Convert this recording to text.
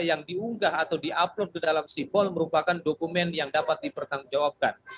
yang diunggah atau di upload ke dalam simbol merupakan dokumen yang dapat dipertanggungjawabkan